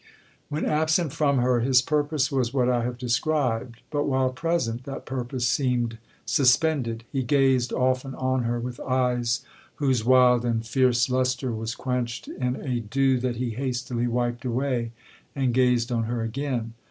'When absent from her, his purpose was what I have described; but while present, that purpose seemed suspended; he gazed often on her with eyes whose wild and fierce lustre was quenched in a dew that he hastily wiped away, and gazed on her again.